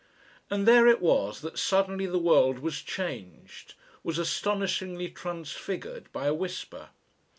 And there it was that suddenly the world was changed was astonishingly transfigured by a whisper.